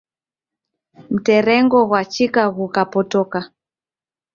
Mterengo gwachika ghukapotoka